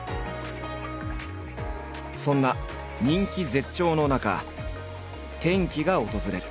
そんな人気絶頂の中転機が訪れる。